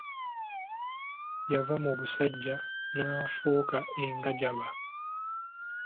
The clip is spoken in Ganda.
Yava mu busajja n'afuuka engajaba.